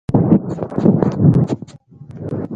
چاکلېټ د سولې کوچنی پیغام دی.